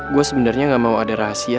gue sebenarnya gak mau ada rahasia